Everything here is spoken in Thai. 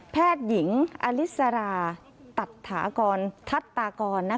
แพทย์หญิงอลิสราตัดถากรทัศตากร